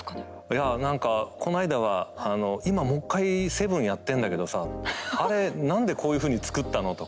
いや何かこの間は「今もう一回『７』やってんだけどさあれ何でこういうふうに作ったの？」とか。